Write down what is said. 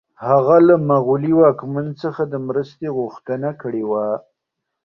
هغه له مغلي واکمن څخه د مرستې غوښتنه کړې وه.